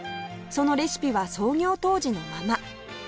そのレシピは創業当時のまま